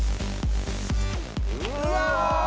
うわ！